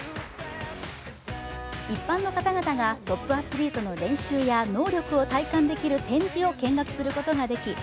一般の方々がトップアスリートの練習や能力を体感できる展示を見学することができ